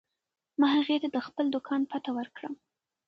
ما هغې ته د خپل دوکان پته ورکړه.